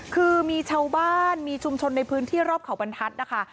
คือมีชาวบ้านมีชุมชนในพื้นที่รอบเขาบรรทัศน์นะคะ